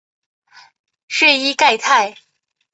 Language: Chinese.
瑞伊盖泰。